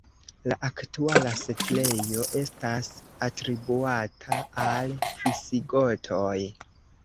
La aktuala setlejo estas atribuata al visigotoj.